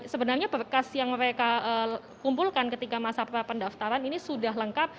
sebenarnya berkas yang mereka kumpulkan ketika masa prapendaftaran ini sudah lengkap